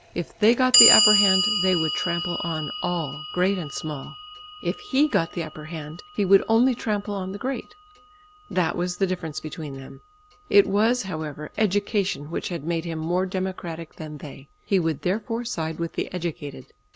If they got the upper hand they would trample on all, great and small; if he got the upper hand, he would only trample on the great. That was the difference between them. It was, however, education which had made him more democratic than they; he would therefore side with the educated.